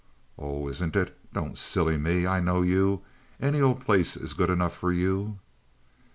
"Oh, isn't it? Don't silly me. I know you. Any old place is good enough for you."